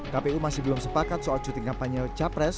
kpu masih belum sepakat soal cuti kampanye capres